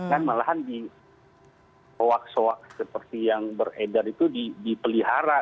dan malahan di hoaks hoaks seperti yang beredar itu dipelihara